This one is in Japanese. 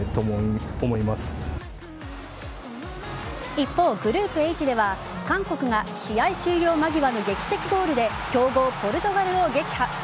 一方、グループＨでは韓国が試合終了間際の劇的ゴールで強豪・ポルトガルを撃破。